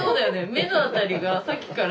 目の辺りがさっきから。